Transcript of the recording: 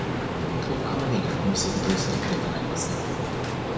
十日までにこの仕事をしなければなりません。